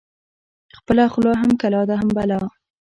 ـ خپله خوله هم کلا ده هم بلا ده.